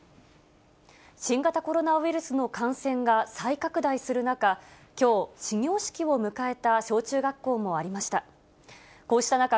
新型コロナウイルスの感染が再拡大する中、きょう、始業式を迎えた小中学校もありました。